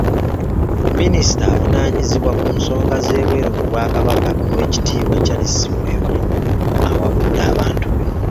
Minisita avunaanyzibwa ku nsonga ez'ebweru mu Bwakabaka, oweekitiibwa Charles Bwenvu awabudde abantu be.